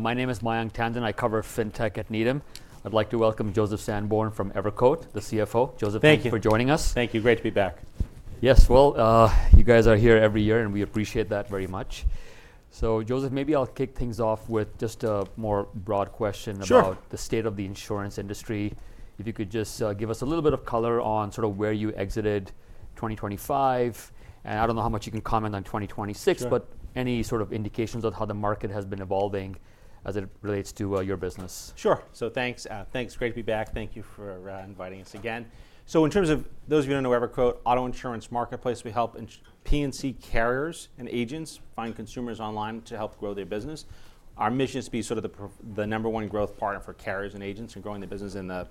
My name is Mayank Tandon. I cover fintech at Needham. I'd like to welcome Joseph Sanborn from EverQuote, the CFO. Joseph, thank you for joining us. Thank you. Great to be back. Yes. Well, you guys are here every year, and we appreciate that very much. So, Joseph, maybe I'll kick things off with just a more broad question about the state of the insurance industry. If you could just give us a little bit of color on sort of where you exited 2025, and I don't know how much you can comment on 2026, but any sort of indications of how the market has been evolving as it relates to your business? Sure. So, thanks. Thanks. Great to be back. Thank you for inviting us again. So, in terms of those of you who don't know EverQuote, auto insurance marketplace. We help P&C carriers and agents find consumers online to help grow their business. Our mission is to be sort of the number one growth partner for carriers and agents in growing their business in the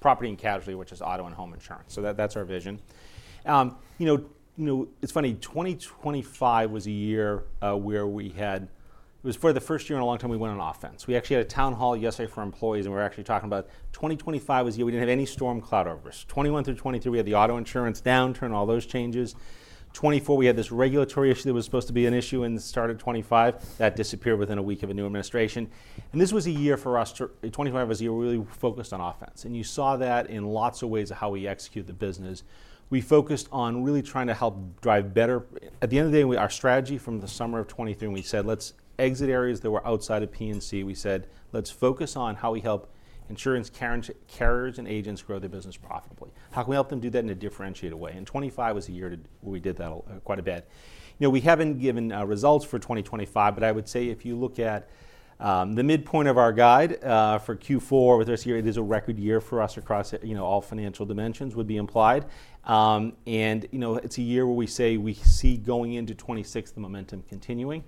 property and casualty, which is auto and home insurance. So, that's our vision. You know, it's funny. 2025 was a year where we had; it was for the first year in a long time we went on offense. We actually had a town hall yesterday for employees, and we were actually talking about 2025 was a year we didn't have any storm cloud over us. 2021 through 2023, we had the auto insurance downturn, all those changes. 2024, we had this regulatory issue that was supposed to be an issue in the start of 2025. That disappeared within a week of a new administration, and this was a year for us to, 2025 was a year we really focused on offense, and you saw that in lots of ways of how we execute the business. We focused on really trying to help drive better. At the end of the day, our strategy from the summer of 2023, when we said, let's exit areas that were outside of P&C, we said, let's focus on how we help insurance carriers and agents grow their business profitably. How can we help them do that in a differentiated way, and 2025 was a year where we did that quite a bit. You know, we haven't given results for 2025, but I would say if you look at the midpoint of our guide for Q4 with this year, it is a record year for us across all financial dimensions, would be implied. And it's a year where we say we see going into 2026, the momentum continuing.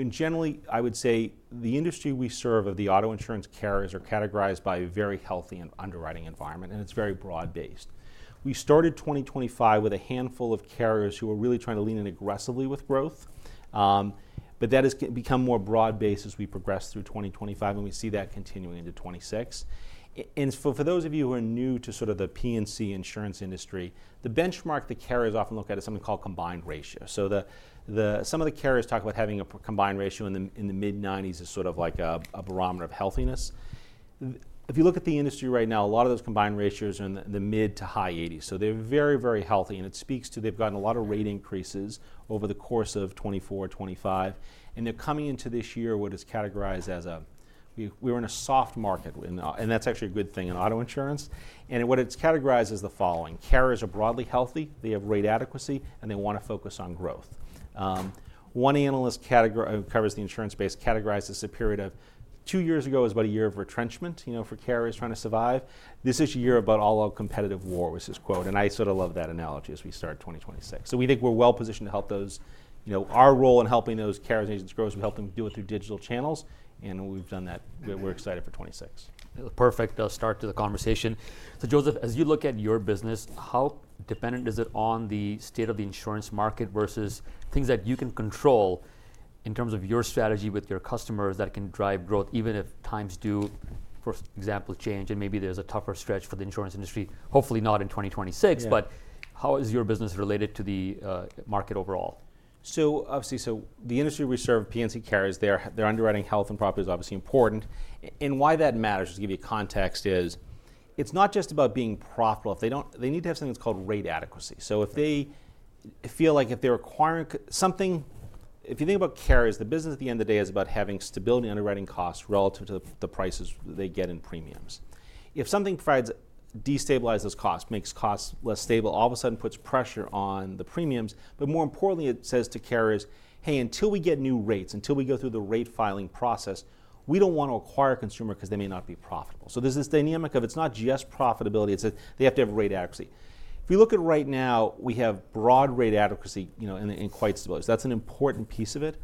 And generally, I would say the industry we serve of the auto insurance carriers are categorized by a very healthy and underwriting environment, and it's very broad-based. We started 2025 with a handful of carriers who were really trying to lean in aggressively with growth, but that has become more broad-based as we progress through 2025, and we see that continuing into 2026. And for those of you who are new to sort of the P&C insurance industry, the benchmark the carriers often look at is something called combined ratio. Some of the carriers talk about having a combined ratio in the mid-90s as sort of like a barometer of healthiness. If you look at the industry right now, a lot of those combined ratios are in the mid to high 80s. So, they're very, very healthy, and it speaks to they've gotten a lot of rate increases over the course of 2024, 2025, and they're coming into this year what is categorized as a, we were in a soft market, and that's actually a good thing in auto insurance. And what it's categorized as the following: carriers are broadly healthy, they have rate adequacy, and they want to focus on growth. One analyst who covers the insurance space categorized this as a period of two years ago as about a year of retrenchment, you know, for carriers trying to survive. This is a year about all-out competitive war, which is quote, and I sort of love that analogy as we start 2026. So, we think we're well positioned to help those, you know, our role in helping those carriers and agents grow is we help them do it through digital channels, and we've done that. We're excited for 2026. Perfect start to the conversation. So, Joseph, as you look at your business, how dependent is it on the state of the insurance market versus things that you can control in terms of your strategy with your customers that can drive growth, even if times do, for example, change, and maybe there's a tougher stretch for the insurance industry, hopefully not in 2026, but how is your business related to the market overall? So, obviously, the industry we serve, P&C carriers, their underwriting health and property is obviously important. And why that matters, to give you context, is it's not just about being profitable. They need to have something that's called rate adequacy. So, if they feel like if they're acquiring something, if you think about carriers, the business at the end of the day is about having stability in underwriting costs relative to the prices they get in premiums. If something destabilizes those costs, makes costs less stable, all of a sudden puts pressure on the premiums, but more importantly, it says to carriers, hey, until we get new rates, until we go through the rate filing process, we don't want to acquire a consumer because they may not be profitable. So, there's this dynamic of it's not just profitability, it's that they have to have rate adequacy. If you look at it right now, we have broad rate adequacy, you know, and quite stabilized. That's an important piece of it.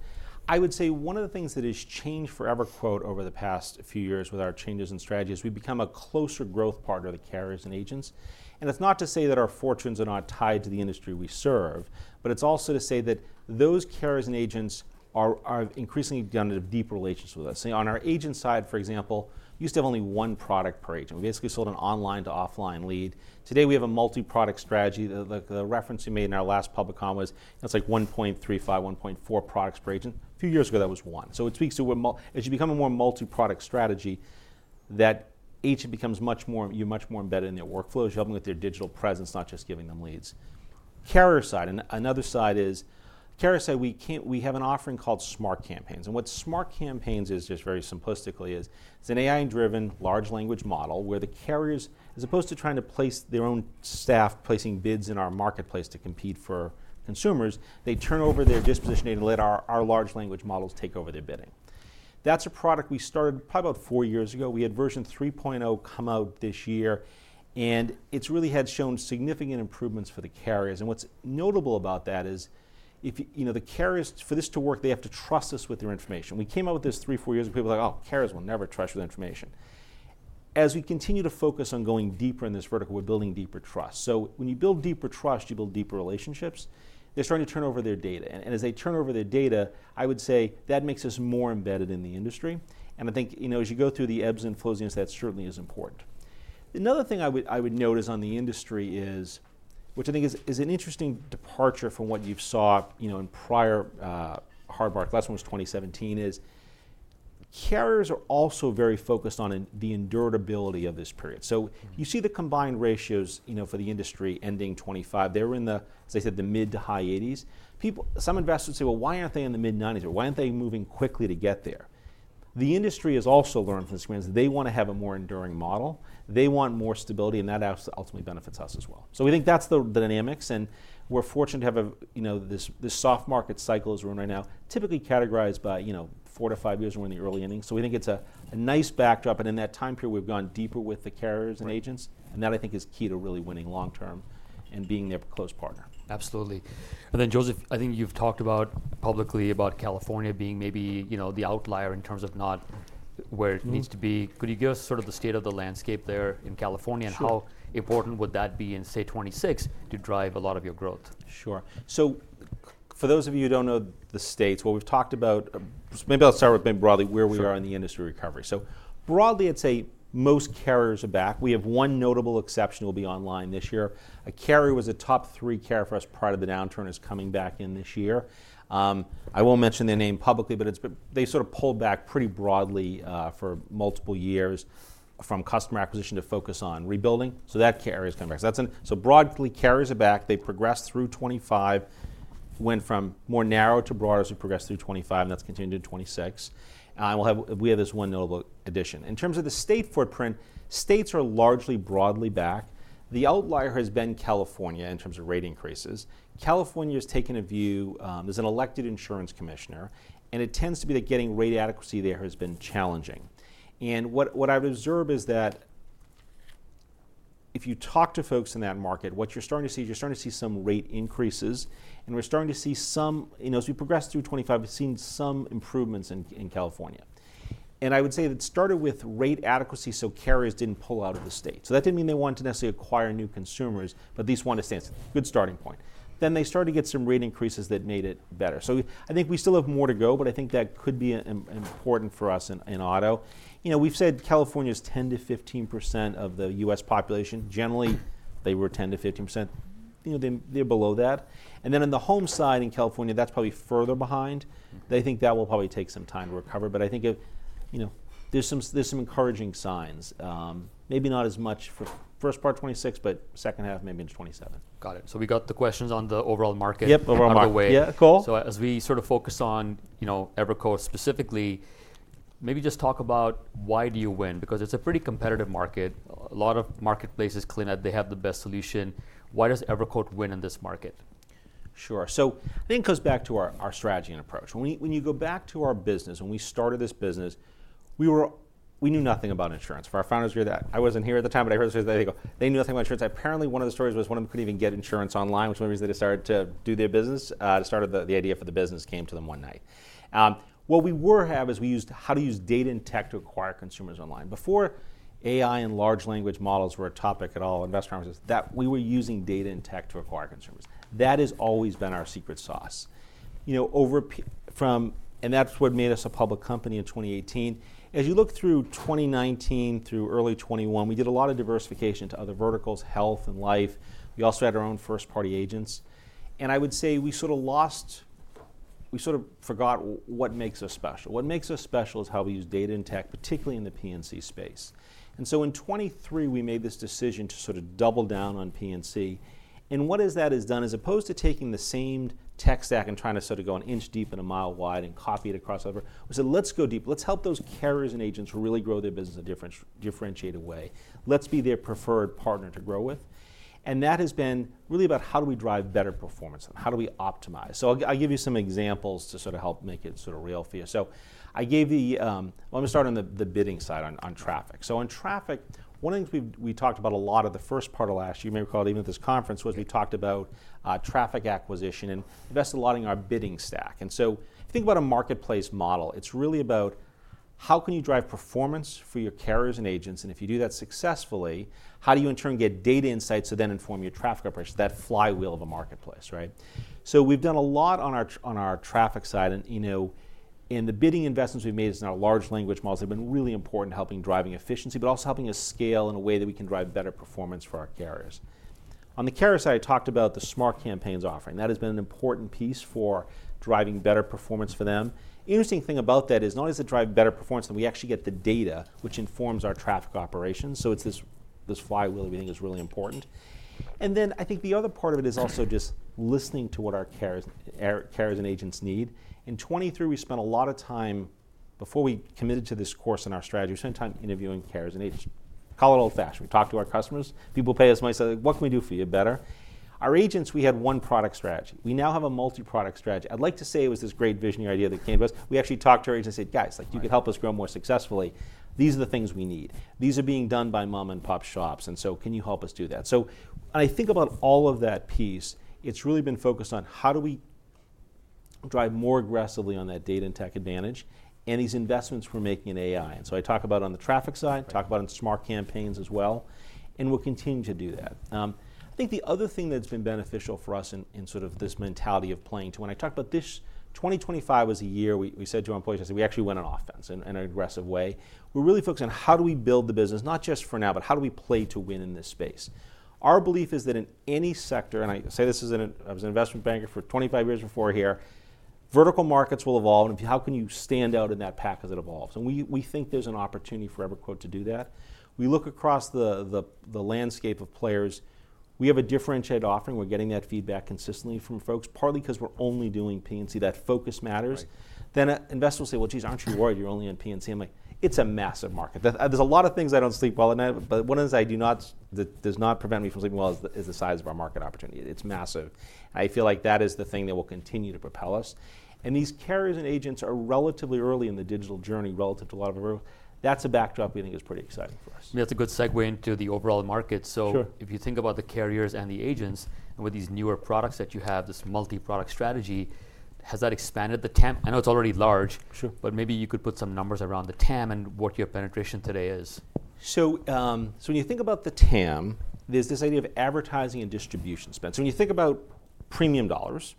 I would say one of the things that has changed for EverQuote over the past few years with our changes in strategy is we've become a closer growth partner to the carriers and agents. That's not to say that our fortunes are not tied to the industry we serve, but it's also to say that those carriers and agents are increasingly developing deep relations with us. On our agent side, for example, we used to have only one product per agent. We basically sold an online to offline lead. Today, we have a multi-product strategy. The reference you made in our last public comment was that's like 1.35, 1.4 products per agent. A few years ago, that was one. It speaks to as you become a more multi-product strategy, that agent becomes much more, you're much more embedded in their workflows, helping with their digital presence, not just giving them leads. Carrier side, another side is carrier side, we have an offering called Smart Campaigns. And what Smart Campaigns is, just very simplistically, is it's an AI-driven large language model where the carriers, as opposed to trying to place their own staff placing bids in our marketplace to compete for consumers, they turn over their disposition data and let our large language models take over their bidding. That's a product we started probably about four years ago. We had version 3.0 come out this year, and it's really had shown significant improvements for the carriers. And what's notable about that is, you know, the carriers, for this to work, they have to trust us with their information. We came out with this three, four years ago. People were like, oh, carriers will never trust your information. As we continue to focus on going deeper in this vertical, we're building deeper trust. So, when you build deeper trust, you build deeper relationships. They're starting to turn over their data. And as they turn over their data, I would say that makes us more embedded in the industry. And I think, you know, as you go through the ebbs and flows, that certainly is important. Another thing I would notice on the industry is, which I think is an interesting departure from what you've saw, you know, in prior hard market, last one was 2017, is carriers are also very focused on the endurance of this period. You see the combined ratios, you know, for the industry ending 2025, they were in the, as I said, the mid-to-high 80s. Some investors say, well, why aren't they in the mid-90s or why aren't they moving quickly to get there? The industry has also learned from this experience that they want to have a more enduring model. They want more stability, and that ultimately benefits us as well. We think that's the dynamics. We're fortunate to have a, you know, this soft market cycle as we're in right now, typically categorized by, you know, four to five years when we're in the early innings. We think it's a nice backdrop. In that time period, we've gone deeper with the carriers and agents. That I think is key to really winning long term and being their close partner. Absolutely. And then, Joseph, I think you've talked publicly about California being maybe, you know, the outlier in terms of not where it needs to be. Could you give us sort of the state of the landscape there in California and how important would that be in, say, 2026 to drive a lot of your growth? Sure. So, for those of you who don't know the states, what we've talked about, maybe I'll start with maybe broadly where we are in the industry recovery. So, broadly, I'd say most carriers are back. We have one notable exception who will be online this year. A carrier was a top three carrier for us prior to the downturn is coming back in this year. I won't mention their name publicly, but they sort of pulled back pretty broadly for multiple years from customer acquisition to focus on rebuilding. So, that carrier is coming back. So, broadly, carriers are back. They progressed through 2025, went from more narrow to broader as we progressed through 2025, and that's continued in 2026. We have this one notable addition. In terms of the state footprint, states are largely broadly back. The outlier has been California in terms of rate increases. California has taken a view. There's an elected insurance commissioner, and it tends to be that getting rate adequacy there has been challenging, and what I've observed is that if you talk to folks in that market, what you're starting to see is you're starting to see some rate increases, and we're starting to see some, you know, as we progressed through 2025, we've seen some improvements in California. And I would say that started with rate adequacy so carriers didn't pull out of the state, so that didn't mean they wanted to necessarily acquire new consumers, but at least wanted to stay in. Good starting point. Then they started to get some rate increases that made it better, so I think we still have more to go, but I think that could be important for us in auto. You know, we've said California is 10%-15% of the U.S. population. Generally, they were 10%-15%. You know, they're below that. And then on the home side in California, that's probably further behind. They think that will probably take some time to recover. But I think, you know, there's some encouraging signs. Maybe not as much for first part 2026, but second half, maybe in 2027. Got it, so we got the questions on the overall market. Yep. Overall market. Yeah. Cool. So, as we sort of focus on, you know, EverQuote specifically, maybe just talk about why do you win? Because it's a pretty competitive market. A lot of marketplaces claim that they have the best solution. Why does EverQuote win in this market? Sure. So, I think it goes back to our strategy and approach. When you go back to our business, when we started this business, we knew nothing about insurance. For our founders here, I wasn't here at the time, but I heard them say that they knew nothing about insurance. Apparently, one of the stories was one of them couldn't even get insurance online, which is why they started to do their business. The start of the idea for the business came to them one night. What we were having is we used how to use data and tech to acquire consumers online. Before AI and large language models were a topic at all, investor conferences, that we were using data and tech to acquire consumers. That has always been our secret sauce. You know, from, and that's what made us a public company in 2018. As you look through 2019 through early 2021, we did a lot of diversification to other verticals, health and life. We also had our own first-party agents, and I would say we sort of lost, we sort of forgot what makes us special. What makes us special is how we use data and tech, particularly in the P&C space, and so, in 2023, we made this decision to sort of double down on P&C. And what that has done, as opposed to taking the same tech stack and trying to sort of go an inch deep and a mile wide and copy it across everywhere, we said, let's go deep. Let's help those carriers and agents really grow their business in a differentiated way. Let's be their preferred partner to grow with, and that has been really about how do we drive better performance and how do we optimize. So, I'll give you some examples to sort of help make it sort of real for you. So, I gave the, well, I'm going to start on the bidding side on traffic. So, on traffic, one of the things we talked about a lot of the first part of last year, maybe we talked even at this conference, was we talked about traffic acquisition and invested a lot in our bidding stack. And so, if you think about a marketplace model, it's really about how can you drive performance for your carriers and agents. And if you do that successfully, how do you in turn get data insights to then inform your traffic operations, that flywheel of a marketplace, right? So, we've done a lot on our traffic side. And, you know, in the bidding investments we've made in our large language models, they've been really important in helping drive efficiency, but also helping us scale in a way that we can drive better performance for our carriers. On the carrier side, I talked about the Smart Campaigns offering. That has been an important piece for driving better performance for them. The interesting thing about that is not only does it drive better performance, but we actually get the data, which informs our traffic operations. So, it's this flywheel that we think is really important. And then I think the other part of it is also just listening to what our carriers and agents need. In 2023, we spent a lot of time before we committed to this course in our strategy, we spent time interviewing carriers and agents. Call it old-fashioned. We talked to our customers. People pay us money, say, what can we do for you better? Our agents, we had one product strategy. We now have a multi-product strategy. I'd like to say it was this great visionary idea that came to us. We actually talked to our agents and said, guys, like you could help us grow more successfully. These are the things we need. These are being done by mom-and-pop shops, and so, can you help us do that, so when I think about all of that piece, it's really been focused on how do we drive more aggressively on that data and tech advantage and these investments we're making in AI, and so I talk about on the traffic side, talk about on Smart Campaigns as well, and we'll continue to do that. I think the other thing that's been beneficial for us in sort of this mentality of playing to, when I talk about this, 2025 was a year we said to our employees. I said, we actually went on offense in an aggressive way. We're really focused on how do we build the business, not just for now, but how do we play to win in this space? Our belief is that in any sector, and I say this as an investment banker for 25 years before here, vertical markets will evolve. And how can you stand out in that pack as it evolves? And we think there's an opportunity for EverQuote to do that. We look across the landscape of players. We have a differentiated offering. We're getting that feedback consistently from folks, partly because we're only doing P&C. That focus matters. Then, investors will say, well, geez, aren't you worried? You're only in P&C. I'm like, it's a massive market. There's a lot of things I don't sleep well at night, but one of the things I do not, that does not prevent me from sleeping well is the size of our market opportunity. It's massive. I feel like that is the thing that will continue to propel us. And these carriers and agents are relatively early in the digital journey relative to a lot of the room. That's a backdrop we think is pretty exciting for us. That's a good segue into the overall market. So, if you think about the carriers and the agents and with these newer products that you have, this multi-product strategy, has that expanded the TAM? I know it's already large, but maybe you could put some numbers around the TAM and what your penetration today is? When you think about the TAM, there's this idea of advertising and distribution spend. When you think about premium dollars,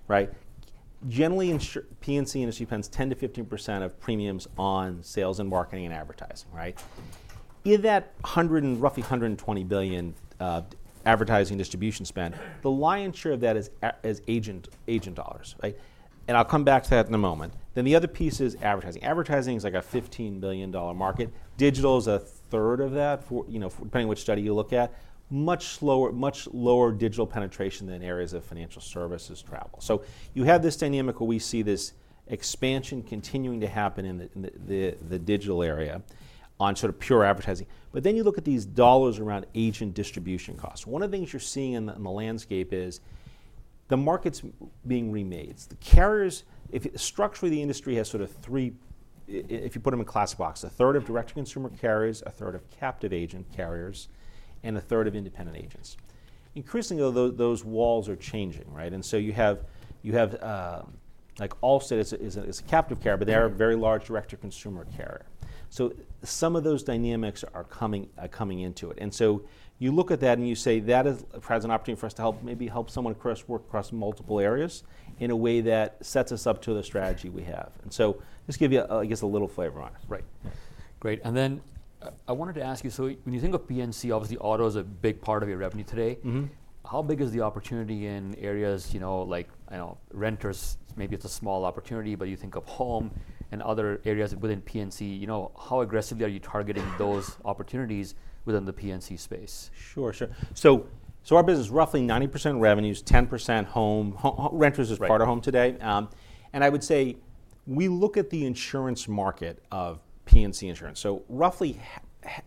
right, generally P&C industry spends 10%-15% of premiums on sales and marketing and advertising, right? In that $100 billion and roughly $120 billion advertising and distribution spend, the lion's share of that is agent dollars, right? I'll come back to that in a moment. The other piece is advertising. Advertising is like a $15 billion market. Digital is a third of that, you know, depending on which study you look at. Much lower digital penetration than areas of financial services, travel. You have this dynamic where we see this expansion continuing to happen in the digital area on sort of pure advertising. But then you look at these dollars around agent distribution costs. One of the things you're seeing in the landscape is the market's being remade. The carriers, structurally, the industry has sort of three, if you put them in class box, a third of direct-to-consumer carriers, a third of captive agent carriers, and a third of independent agents. Increasingly, those walls are changing, right? And so, you have like Allstate is a captive carrier, but they are a very large direct-to-consumer carrier. So, some of those dynamics are coming into it. And so, you look at that and you say that has an opportunity for us to help someone work across multiple areas in a way that sets us up to the strategy we have. And so, just give you, I guess, a little flavor on it. Right. Great. And then I wanted to ask you, so when you think of P&C, obviously auto is a big part of your revenue today. How big is the opportunity in areas, you know, like, I don't know, renters? Maybe it's a small opportunity, but you think of home and other areas within P&C, you know, how aggressively are you targeting those opportunities within the P&C space? Sure, sure. So, our business is roughly 90% revenues, 10% home. Renters is part of home today. And I would say we look at the insurance market of P&C insurance. So, roughly,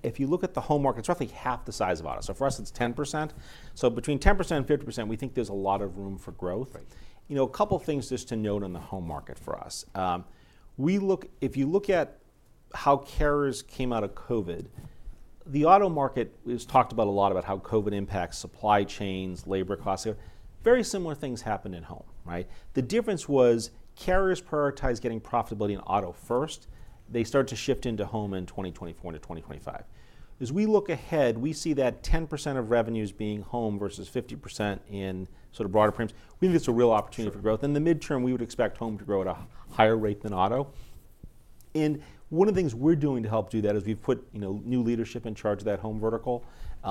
if you look at the home market, it's roughly half the size of auto. So, for us, it's 10%. So, between 10%-50%, we think there's a lot of room for growth. You know, a couple of things just to note on the home market for us. If you look at how carriers came out of COVID, the auto market was talked about a lot about how COVID impacts supply chains, labor costs. Very similar things happened in home, right? The difference was carriers prioritized getting profitability in auto first. They started to shift into home in 2024 to 2025. As we look ahead, we see that 10% of revenues being home versus 50% in sort of broader premiums. We think it's a real opportunity for growth. In the midterm, we would expect home to grow at a higher rate than auto, and one of the things we're doing to help do that is we've put new leadership in charge of that home vertical,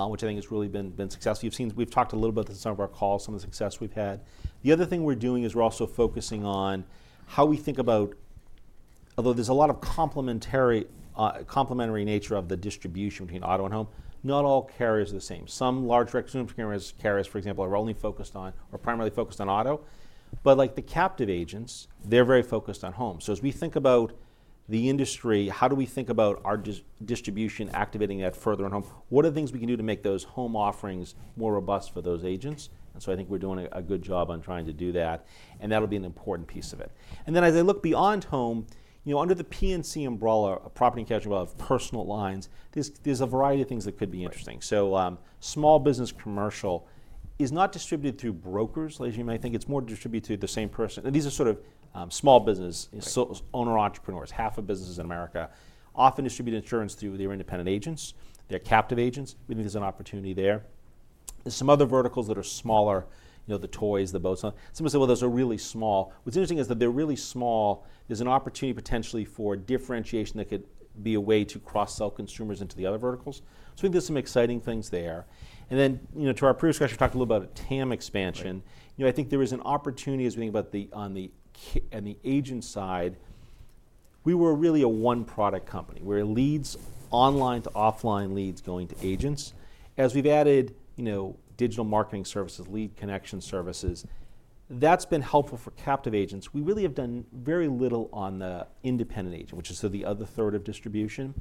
which I think has really been successful. You've seen, we've talked a little bit at some of our calls, some of the success we've had. The other thing we're doing is we're also focusing on how we think about, although there's a lot of complementary nature of the distribution between auto and home, not all carriers are the same. Some large national carriers, for example, are only focused on or primarily focused on auto, but like the captive agents, they're very focused on home. So, as we think about the industry, how do we think about our distribution activating that further on home? What are the things we can do to make those home offerings more robust for those agents? And so, I think we're doing a good job on trying to do that. And that'll be an important piece of it. And then, as I look beyond home, you know, under the P&C umbrella, property and casualty umbrella of personal lines, there's a variety of things that could be interesting. So, small business commercial is not distributed through brokers, as you might think. It's more distributed to the same person. And these are sort of small business owner-entrepreneurs. Half of businesses in America often distribute insurance through their independent agents. They're captive agents. We think there's an opportunity there. There's some other verticals that are smaller, you know, the toys, the boats. Someone said, "Well, those are really small." What's interesting is that they're really small. There's an opportunity potentially for differentiation that could be a way to cross-sell consumers into the other verticals. I think there's some exciting things there. Then, you know, to our previous question, we talked a little bit about TAM expansion. You know, I think there is an opportunity as we think about the agent side. We were really a one-product company. We're leads online to offline leads going to agents. As we've added, you know, Digital Marketing Services, Lead Connection Services, that's been helpful for captive agents. We really have done very little on the independent agent, which is sort of the other third of distribution.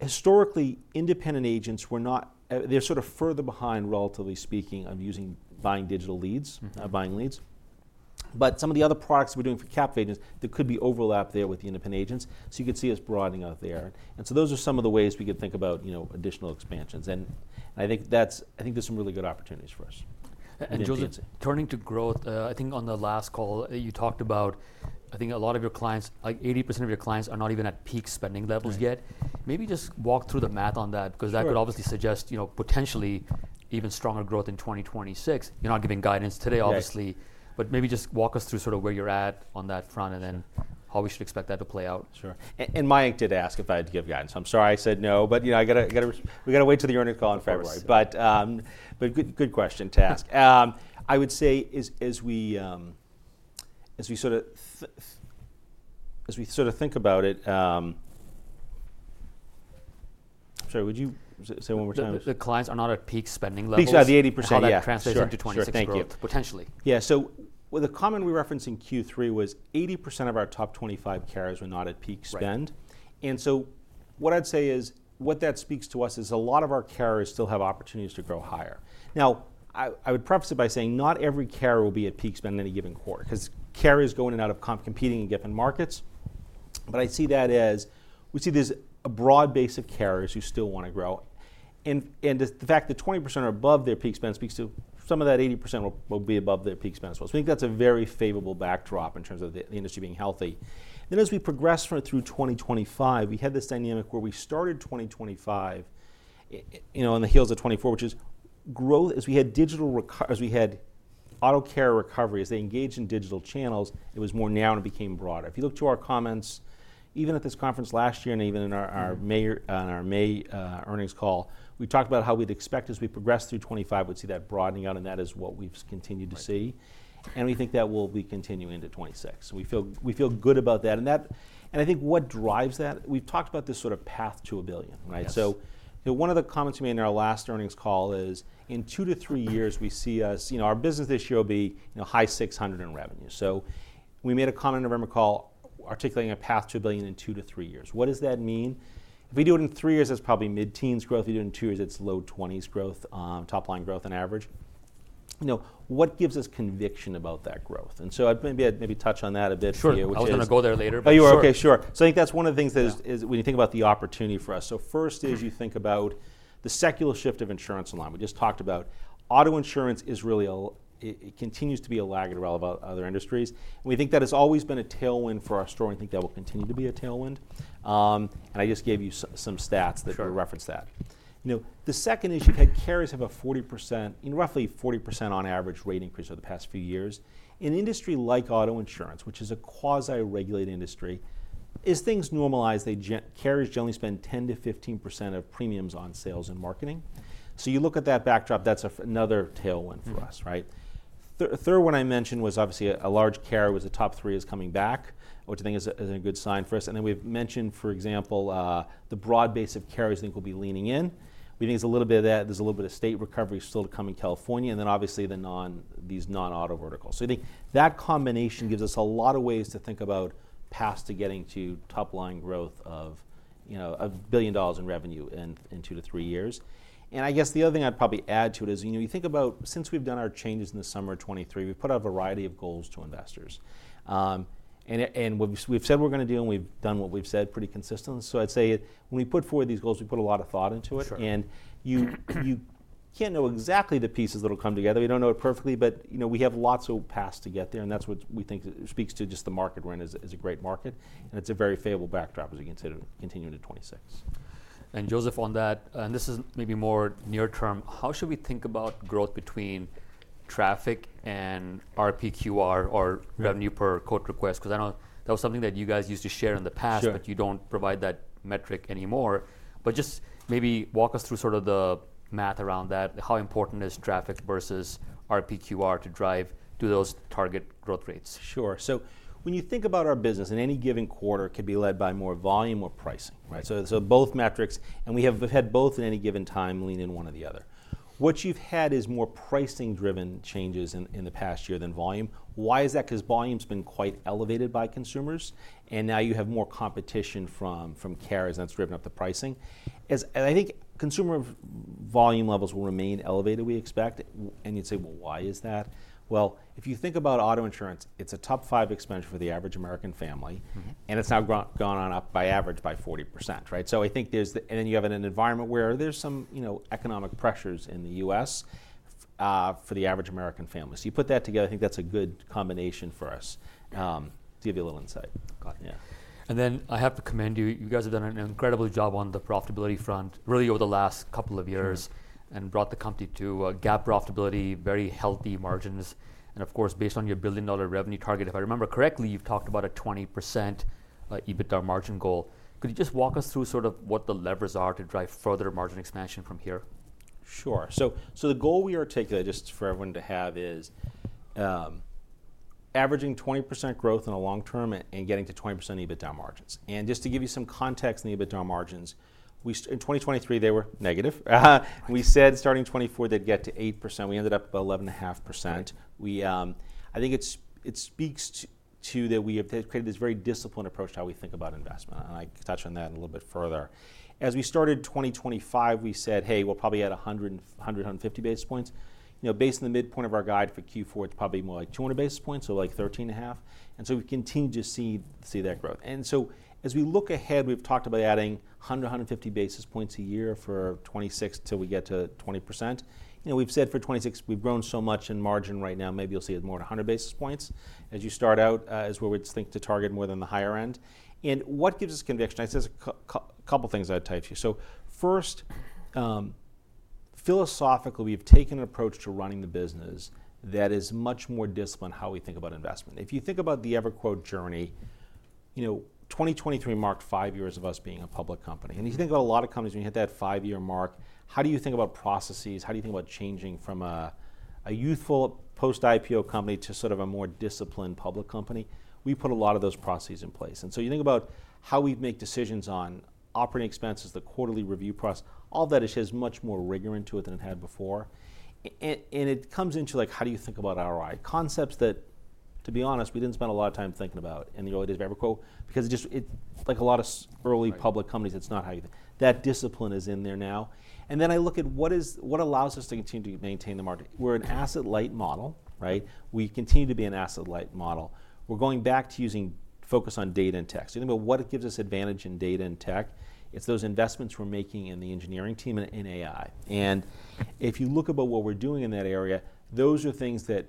Historically, independent agents were not. They're sort of further behind, relatively speaking, on using buying digital leads, buying leads. But some of the other products we're doing for captive agents, there could be overlap there with the independent agents. So, you could see us broadening out there. And so, those are some of the ways we could think about, you know, additional expansions. And I think there's some really good opportunities for us. Joseph, turning to growth, I think on the last call, you talked about, I think a lot of your clients, like 80% of your clients are not even at peak spending levels yet. Maybe just walk through the math on that, because that could obviously suggest, you know, potentially even stronger growth in 2026. You're not giving guidance today, obviously, but maybe just walk us through sort of where you're at on that front and then how we should expect that to play out. Sure. And Mayank did ask if I had to give guidance. I'm sorry I said no, but you know, we got to wait till the earnings call on Friday. But good question to ask. I would say as we sort of think about it, I'm sorry, would you say one more time? The clients are not at peak spending levels. Peak spending, 80%. That translates into 2016, potentially. Yeah. So, the comment we referenced in Q3 was that 80% of our top 25 carriers were not at peak spend. And so, what I'd say is what that speaks to us is a lot of our carriers still have opportunities to grow higher. Now, I would preface it by saying not every carrier will be at peak spend in any given quarter, because carriers go in and out of competing in different markets. But I see that as we see there's a broad base of carriers who still want to grow. And the fact that 20% are above their peak spend speaks to some of that 80% will be above their peak spend as well. So, we think that's a very favorable backdrop in terms of the industry being healthy. Then, as we progress through 2025, we had this dynamic where we started 2025, you know, on the heels of 2024, which is growth as we had digital, as we had auto carrier recovery, as they engaged in digital channels, it was more narrow and became broader. If you look to our comments, even at this conference last year and even in our May earnings call, we talked about how we'd expect as we progress through 2025, we'd see that broadening out, and that is what we've continued to see. And we think that will be continuing into 2026. So, we feel good about that. And I think what drives that, we've talked about this sort of path to a billion, right? One of the comments we made in our last earnings call is in two to three years, we see us, you know, our business this year will be high $600 million in revenue. We made a comment in November call articulating a path to $1 billion in two to three years. What does that mean? If we do it in three years, that's probably mid-teens growth. If we do it in two years, it's low-20s growth, top-line growth on average. You know, what gives us conviction about that growth? I maybe touch on that a bit for you. Sure. I was going to go there later, but. Oh, you were okay. Sure. So, I think that's one of the things that is, when you think about the opportunity for us. So, first, you think about the secular shift of insurance online. We just talked about auto insurance. It really continues to be a laggard relative to other industries. And we think that has always been a tailwind for our story. We think that will continue to be a tailwind. And I just gave you some stats that reference that. You know, the second is carriers have a 40%, roughly 40% on average rate increase over the past few years. In an industry like auto insurance, which is a quasi-regulated industry, as things normalize, carriers generally spend 10%-15% of premiums on sales and marketing. So, you look at that backdrop. That's another tailwind for us, right? Third, what I mentioned was obviously a large carrier was the top three is coming back, which I think is a good sign for us. And then we've mentioned, for example, the broad base of carriers I think will be leaning in. We think there's a little bit of that. There's a little bit of state recovery still to come in California. And then obviously these non-auto verticals. So, I think that combination gives us a lot of ways to think about paths to getting to top-line growth of, you know, $1 billion in revenue in two to three years. And I guess the other thing I'd probably add to it is, you know, you think about since we've done our changes in the summer of 2023, we put out a variety of goals to investors. We've said we're going to do, and we've done what we've said pretty consistently. So, I'd say when we put forward these goals, we put a lot of thought into it. You can't know exactly the pieces that'll come together. We don't know it perfectly, but you know, we have lots of paths to get there. That's what we think speaks to just the market rent is a great market. It's a very favorable backdrop as we continue into 2026. Joseph, on that, and this is maybe more near-term, how should we think about growth between traffic and RPQR or revenue per quote request? Because I know that was something that you guys used to share in the past, but you don't provide that metric anymore. But just maybe walk us through sort of the math around that, how important is traffic versus RPQR to drive to those target growth rates? Sure. So, when you think about our business, in any given quarter could be led by more volume or pricing, right? So, both metrics, and we have had both in any given time lean in one or the other. What you've had is more pricing-driven changes in the past year than volume. Why is that? Because volume's been quite elevated by consumers. And now you have more competition from carriers and that's driven up the pricing. I think consumer volume levels will remain elevated, we expect. And you'd say, well, why is that? Well, if you think about auto insurance, it's a top five expenditure for the average American family. And it's now gone up on average by 40%, right? So, I think there's, and then you have an environment where there's some, you know, economic pressures in the U.S. for the average American family. So, you put that together, I think that's a good combination for us. To give you a little insight. Got it. And then I have to commend you. You guys have done an incredible job on the profitability front really over the last couple of years and brought the company to GAAP profitability, very healthy margins. And of course, based on your $1 billion revenue target, if I remember correctly, you've talked about a 20% EBITDA margin goal. Could you just walk us through sort of what the levers are to drive further margin expansion from here? Sure. So, the goal we are taking just for everyone to have is averaging 20% growth in the long term and getting to 20% EBITDA margins. And just to give you some context in the EBITDA margins, in 2023, they were negative. We said starting 2024 they'd get to 8%. We ended up about 11.5%. I think it speaks to that we have created this very disciplined approach to how we think about investment. And I can touch on that a little bit further. As we started 2025, we said, hey, we'll probably add 100-150 basis points. You know, based on the midpoint of our guide for Q4, it's probably more like 200 basis points, so like 13.5%. And so, we continue to see that growth. And so, as we look ahead, we've talked about adding 100-150 basis points a year for 2026 till we get to 20%. You know, we've said for 2026, we've grown so much in margin right now, maybe you'll see it more than 100 basis points as you start out, as where we think to target more than the higher end. And what gives us conviction? I said a couple of things I'd type to you. So, first, philosophically, we've taken an approach to running the business that is much more disciplined in how we think about investment. If you think about the EverQuote journey, you know, 2023 marked five years of us being a public company. And you think about a lot of companies, when you hit that five-year mark, how do you think about processes? How do you think about changing from a youthful post-IPO company to sort of a more disciplined public company? We put a lot of those processes in place. And so, you think about how we make decisions on operating expenses, the quarterly review process, all that has much more rigor into it than it had before. And it comes into like, how do you think about ROI? Concepts that, to be honest, we didn't spend a lot of time thinking about in the early days of EverQuote, because it just, like a lot of early public companies, it's not how you think. That discipline is in there now. And then I look at what allows us to continue to maintain the market. We're an asset-light model, right? We continue to be an asset-light model. We're going back to using focus on data and tech. So, you think about what gives us advantage in data and tech? It's those investments we're making in the engineering team and in AI. And if you look about what we're doing in that area, those are things that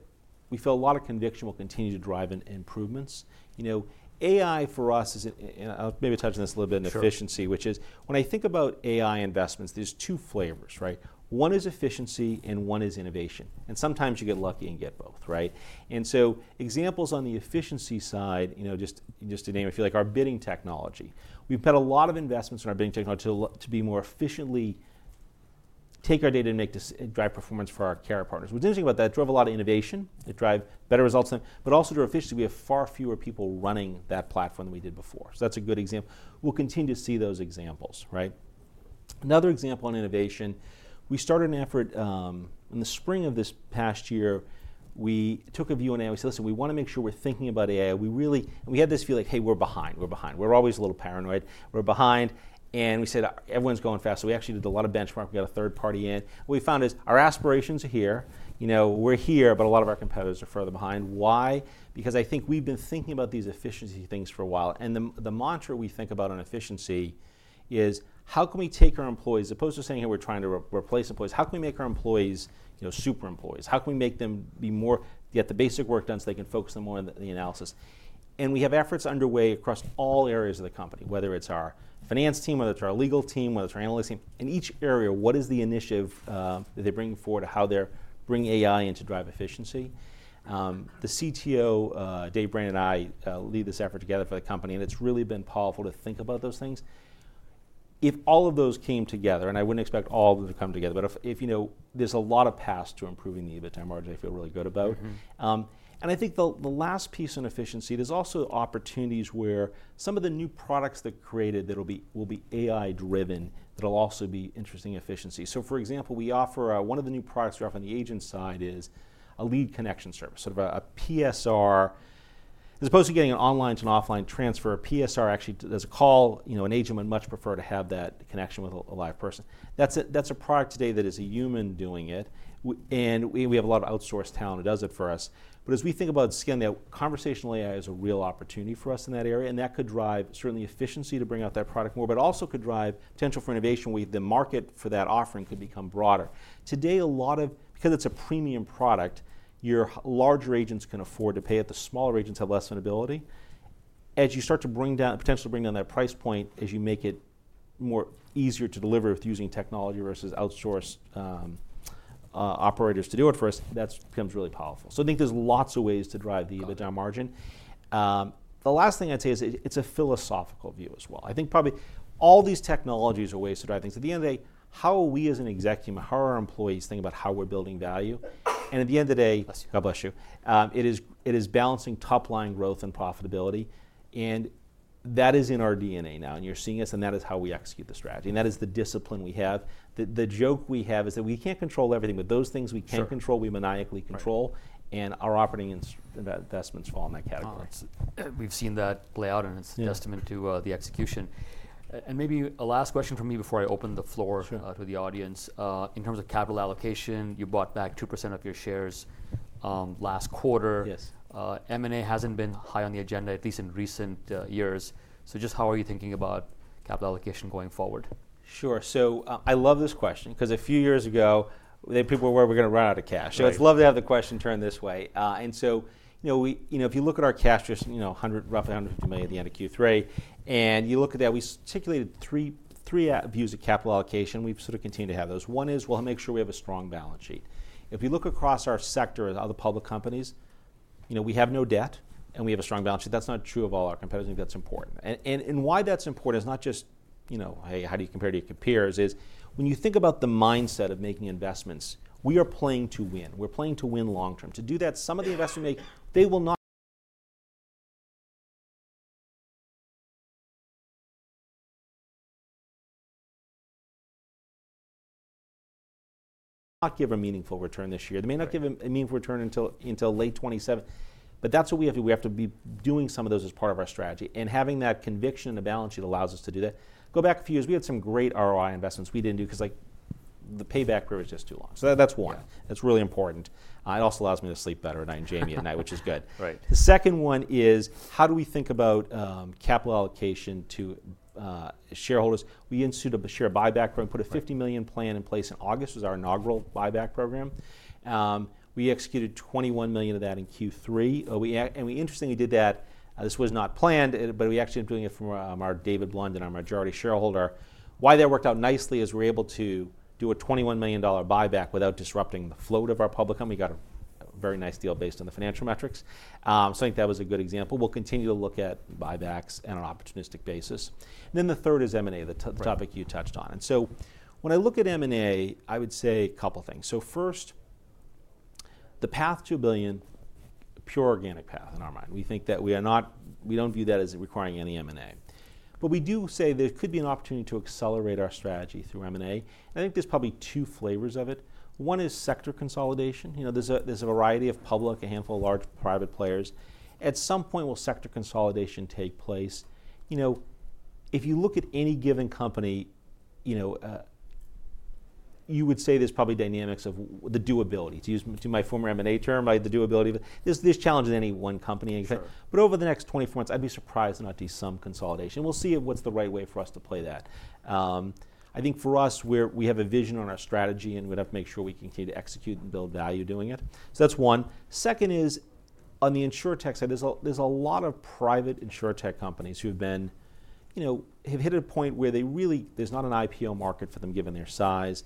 we feel a lot of conviction will continue to drive improvements. You know, AI for us is, and I'll maybe touch on this a little bit in efficiency, which is when I think about AI investments, there's two flavors, right? One is efficiency and one is innovation. And sometimes you get lucky and get both, right? And so, examples on the efficiency side, you know, just to name, I feel like our bidding technology. We've had a lot of investments in our bidding technology to be more efficiently take our data and drive performance for our carrier partners. What's interesting about that, it drove a lot of innovation. It drives better results in it. But also to our efficiency, we have far fewer people running that platform than we did before. So, that's a good example. We'll continue to see those examples, right? Another example on innovation, we started an effort in the spring of this past year. We took a view on AI. We said, listen, we want to make sure we're thinking about AI. We really, we had this feel like, hey, we're behind. We're behind. We're always a little paranoid. We're behind. And we said, everyone's going fast. So, we actually did a lot of benchmark. We got a third party in. What we found is our aspirations are here. You know, we're here, but a lot of our competitors are further behind. Why? Because I think we've been thinking about these efficiency things for a while. The mantra we think about on efficiency is, how can we take our employees, as opposed to saying, hey, we're trying to replace employees, how can we make our employees, you know, super employees? How can we make them be more, get the basic work done so they can focus on more of the analysis? And we have efforts underway across all areas of the company, whether it's our finance team, whether it's our legal team, whether it's our analyst team. In each area, what is the initiative that they bring forward to how they're bringing AI in to drive efficiency? The CTO, Dave Brainard, and I lead this effort together for the company. And it's really been powerful to think about those things. If all of those came together, and I wouldn't expect all of them to come together, but if, you know, there's a lot of paths to improving the EBITDA margin, I feel really good about. And I think the last piece on efficiency, there's also opportunities where some of the new products that are created that will be AI-driven that will also be interesting efficiency. So, for example, we offer one of the new products we offer on the agent side is a Lead Connection Service, sort of a PSR. As opposed to getting an online to an offline transfer, a PSR actually does a call. You know, an agent would much prefer to have that connection with a live person. That's a product today that is a human doing it. And we have a lot of outsourced talent who does it for us. But as we think about PSR there, conversational AI is a real opportunity for us in that area. And that could drive certainly efficiency to bring out that product more, but also could drive potential for innovation where the market for that offering could become broader. Today, a lot of, because it's a premium product, your larger agents can afford to pay it. The smaller agents have less ability. As you start to bring down the potential to bring down that price point, as you make it easier to deliver with using technology versus outsourced operators to do it for us, that becomes really powerful. So, I think there's lots of ways to drive the EBITDA margin. The last thing I'd say is it's a philosophical view as well. I think probably all these technologies are ways to drive things. At the end of the day, how are we as an executive team, how are our employees thinking about how we're building value? And at the end of the day, God bless you, it is balancing top-line growth and profitability. And that is in our DNA now. And you're seeing us, and that is how we execute the strategy. And that is the discipline we have. The joke we have is that we can't control everything, but those things we can't control, we maniacally control. And our operating investments fall in that category. We've seen that play out, and it's a testament to the execution. And maybe a last question from me before I open the floor to the audience. In terms of capital allocation, you bought back 2% of your shares last quarter. M&A hasn't been high on the agenda, at least in recent years. So, just how are you thinking about capital allocation going forward? Sure. I love this question because a few years ago, people were worried we're going to run out of cash, so it's lovely to have the question turned this way, and so, you know, if you look at our cash, just, you know, roughly $150 million at the end of Q3, and you look at that, we stipulated three views of capital allocation. We've sort of continued to have those. One is, well, make sure we have a strong balance sheet. If you look across our sector of the public companies, you know, we have no debt, and we have a strong balance sheet. That's not true of all our competitors. I think that's important, and why that's important is not just, you know, hey, how do you compare to your peers, is when you think about the mindset of making investments, we are playing to win. We're playing to win long term. To do that, some of the investments we make, they will not give a meaningful return this year. They may not give a meaningful return until late 2027. But that's what we have to do. We have to be doing some of those as part of our strategy. And having that conviction and the balance sheet allows us to do that. Go back a few years. We had some great ROI investments. We didn't do because like the payback period was just too long. So, that's one. That's really important. It also allows me to sleep better at night and Jayme at night, which is good. The second one is how do we think about capital allocation to shareholders? We instituted a share buyback program, put a $50 million plan in place in August. It was our inaugural buyback program. We executed $21 million of that in Q3. And we interestingly did that. This was not planned, but we actually are doing it from our David Blundin and our majority shareholder. Why that worked out nicely is we were able to do a $21 million buyback without disrupting the float of our public company. We got a very nice deal based on the financial metrics. So, I think that was a good example. We'll continue to look at buybacks on an opportunistic basis. And then the third is M&A, the topic you touched on. And so, when I look at M&A, I would say a couple of things. So, first, the path to a billion, pure organic path in our mind. We think that we are not, we don't view that as requiring any M&A. But we do say there could be an opportunity to accelerate our strategy through M&A. I think there's probably two flavors of it. One is sector consolidation. You know, there's a variety of public, a handful of large private players. At some point, will sector consolidation take place? You know, if you look at any given company, you know, you would say there's probably dynamics of the doability. To use my former M&A term, the doability of it. There's challenges in any one company. But over the next 24 months, I'd be surprised to not do some consolidation. We'll see what's the right way for us to play that. I think for us, we have a vision on our strategy, and we'd have to make sure we continue to execute and build value doing it. So, that's one. Second is on the insurtech side. There's a lot of private insurtech companies who have been, you know, have hit a point where they really, there's not an IPO market for them given their size.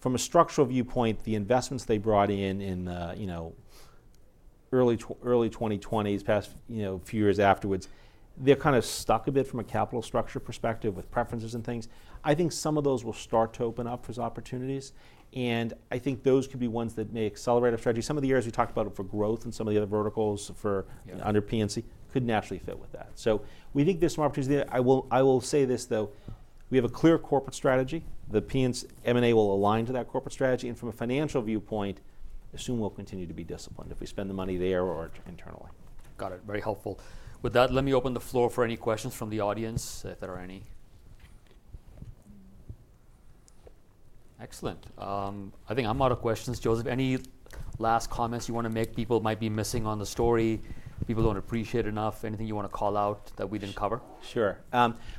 From a structural viewpoint, the investments they brought in in, you know, early 2020s, past, you know, a few years afterwards, they're kind of stuck a bit from a capital structure perspective with preferences and things. I think some of those will start to open up for opportunities, and I think those could be ones that may accelerate our strategy. Some of the areas we talked about for growth and some of the other verticals under P&C could naturally fit with that, so we think there's some opportunity there. I will say this though, we have a clear corporate strategy. The P&C M&A will align to that corporate strategy. From a financial viewpoint, assume we'll continue to be disciplined if we spend the money there or internally. Got it. Very helpful. With that, let me open the floor for any questions from the audience if there are any. Excellent. I think I'm out of questions, Joseph. Any last comments you want to make? People might be missing on the story. People don't appreciate it enough. Anything you want to call out that we didn't cover? Sure.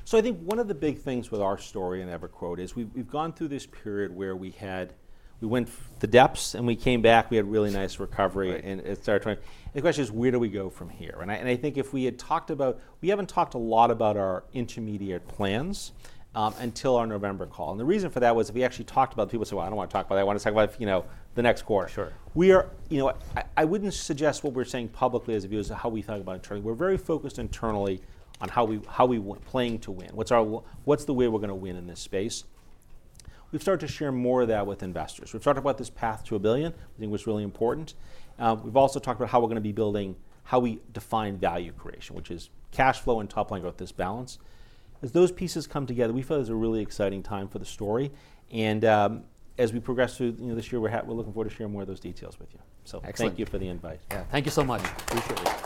So, I think one of the big things with our story in EverQuote is we've gone through this period where we had, we went the depths and we came back, we had a really nice recovery and started turning. The question is, where do we go from here? And I think if we had talked about, we haven't talked a lot about our intermediate plans until our November call. And the reason for that was if we actually talked about, people say, well, I don't want to talk about it. I want to talk about, you know, the next quarter. We are, you know, I wouldn't suggest what we're saying publicly as a view is how we think about internally. We're very focused internally on how we're playing to win. What's the way we're going to win in this space? We've started to share more of that with investors. We've talked about this path to a billion. We think it was really important. We've also talked about how we're going to be building, how we define value creation, which is cash flow and top line growth, this balance. As those pieces come together, we feel there's a really exciting time for the story. And as we progress through this year, we're looking forward to sharing more of those details with you. So, thank you for the invite. Yeah. Thank you so much. Appreciate it.